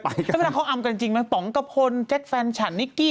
พี่นาพฤติคออัลอ่ามันจริงหรือมีเปี๊บปองกระพนจคร์ไฟนท์ฉันนิกกี้